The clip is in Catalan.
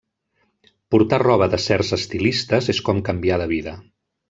Portar roba de certs estilistes és com canviar de vida.